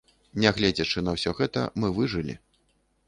Нягледзячы на ўсё гэта, мы выжылі.